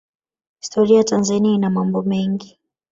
Historia ya Tanzania ina mambo mengi